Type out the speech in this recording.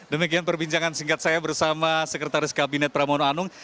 demikian perbincangan singkat saya bersama sekretaris kabinet pramono anung